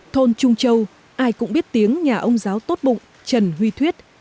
thôn trung châu ai cũng biết tiếng nhà ông giáo tốt bụng trần huy thuyết